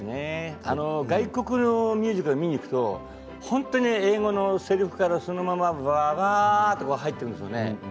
外国のミュージカルを見に行くと英語のせりふからそのまま歌に入っていくんですよね。